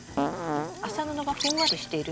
麻布がふんわりしているので